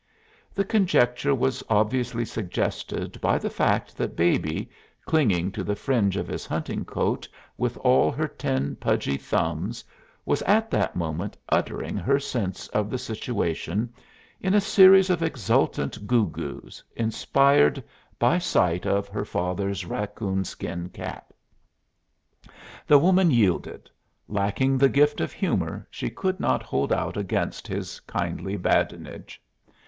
The conjecture was obviously suggested by the fact that Baby, clinging to the fringe of his hunting coat with all her ten pudgy thumbs was at that moment uttering her sense of the situation in a series of exultant goo goos inspired by sight of her father's raccoon skin cap. The woman yielded: lacking the gift of humor she could not hold out against his kindly badinage.